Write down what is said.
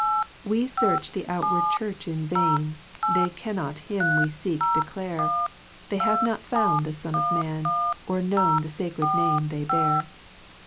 4 We Search thG outward Church in vain, They cannot him avc feck declare, They have not found the Son of Man, Or known the facred name they bear.